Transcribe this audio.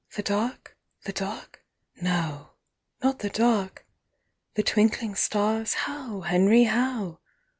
'The dark? the dark? No! not the dark? 45 The twinkling stars? How, Henry? How?'